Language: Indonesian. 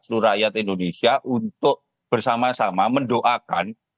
seluruh rakyat indonesia untuk bersama sama mendoakan agar kedua beliau ini